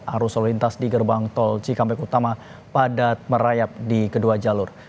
arus lalu lintas di gerbang tol cikampek utama padat merayap di kedua jalur